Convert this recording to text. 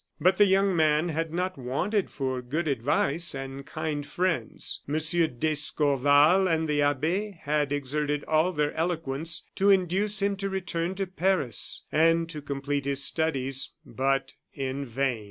But the young man had not wanted for good advice and kind friends. M. d'Escorval and the abbe had exerted all their eloquence to induce him to return to Paris, and complete his studies; but in vain.